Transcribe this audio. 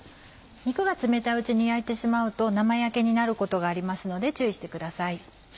肉が冷たいうちに焼いてしまうと生焼けになることがありますので注意してください。